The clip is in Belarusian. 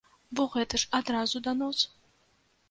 Бо гэта ж адразу данос.